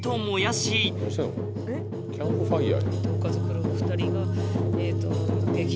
これキャンプファイア？